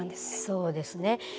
そうですね。